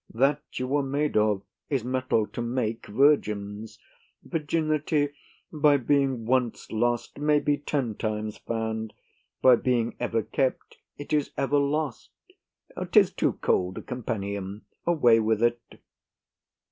That you were made of is metal to make virgins. Virginity, by being once lost, may be ten times found; by being ever kept, it is ever lost. 'Tis too cold a companion. Away with it!